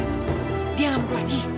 dad dia gak mau lagi